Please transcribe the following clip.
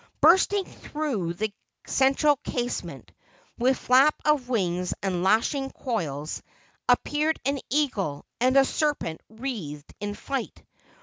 Bursting through the central casement, with flap of wings and lashing coils, appeared an eagle and a serpent wreathed in fight.